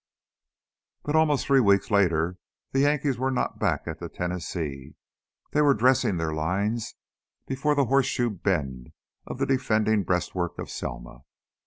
But almost three weeks later the Yankees were not back at the Tennessee; they were dressing their lines before the horseshoe bend of the defending breastworks of Selma.